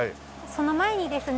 その前にですね